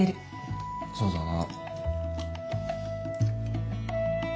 そうだな。